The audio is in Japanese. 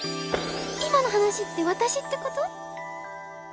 今の話って私ってこと？